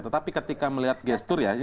tetapi ketika melihat gestur ya